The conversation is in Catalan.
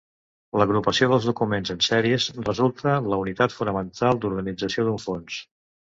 L'agrupació dels documents en sèries resulta la unitat fonamental d'organització d'un fons.